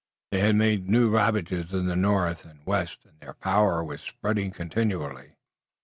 They had made new ravages in the north and west, and their power was spreading continually.